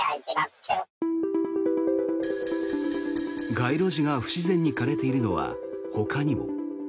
街路樹が不自然に枯れているのはほかにも。